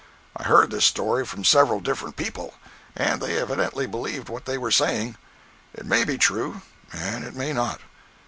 I heard this story from several different people, and they evidently believed what they were saying. It may be true, and it may not.